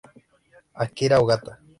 Akira Ogata